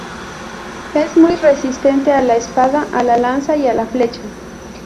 Es muy resistente a la espada, a la lanza y a la flecha.